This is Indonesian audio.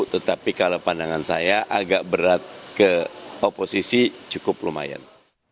tetapi kalau pandangan saya agak berat ke oposisi cukup lumayan